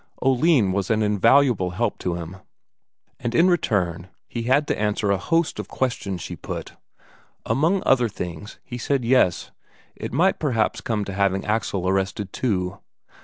Oline was an invaluable help to him; and in return he had to answer a host of questions she put. Among other things, he said yes, it might perhaps come to having Axel arrested too.